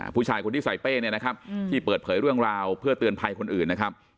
ผู้ชายคนนี้ส่อยเป้ที่เปิดเผยเรื่องราวเพื่อเตือนภัยคนอื่น